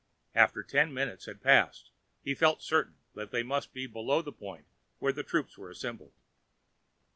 After ten minutes had passed he felt certain that they must be below the point where the troops were assembled.